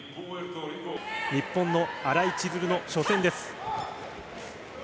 日本の新井千鶴の初戦です。